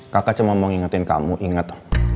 kakak cuma mau ngingetin kamu inget